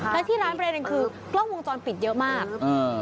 และที่ร้านประเด็นคือกล้องวงจรปิดเยอะมากอืม